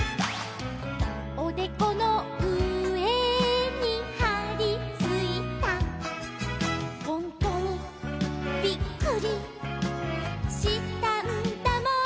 「おでこのうえにはりついた」「ほんとにびっくりしたんだもん」